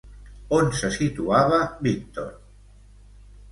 On se situava Víctor?